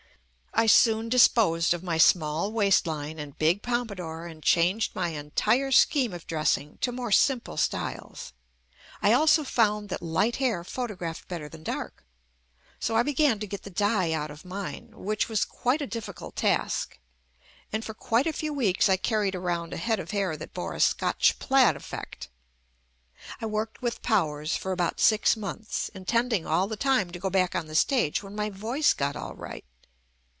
I soon disposed of my small waist line and big pompadour and changed my entire scheme of dressing to more simple styles. I also found that light hair photographed better than dark, so I began to get the dye out of mine, which was quite a diffi cult task, and for quite a few weeks I carried around a head of hair that bore a Scotch plaid effect. I worked with Powers for about six months, intending all the time to go back on the JUST ME stage when my voice got all right.